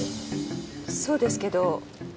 そうですけど何か？